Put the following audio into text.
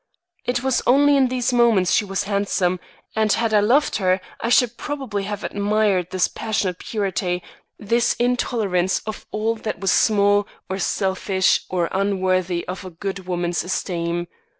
It was only in these moments she was handsome, and had I loved her, I should probably have admired this passionate purity, this intolerance of all that was small or selfish or unworthy a good woman's esteem.